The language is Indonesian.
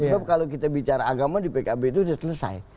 sebab kalau kita bicara agama di pkb itu sudah selesai